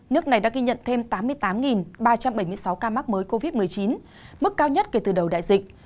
nước này đã ghi nhận thêm tám mươi tám ba trăm bảy mươi sáu ca mắc mới covid một mươi chín mức cao nhất kể từ đầu đại dịch